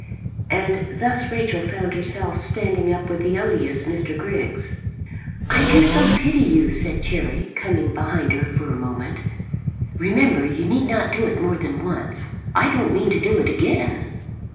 And thus Rachel found herself standing up with the odious Mr. Griggs. "I do so pity you," said Cherry, coming behind her for a moment. "Remember, you need not do it more than once. I don't mean to do it again."